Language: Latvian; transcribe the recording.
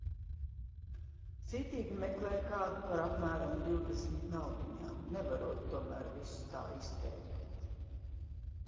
Cītīgi meklēja kādu par apmēram divdesmit naudiņām, nevarot tomēr visu tā iztērēt.